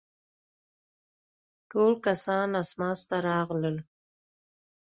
ټول کسان اسماس ته راغلل.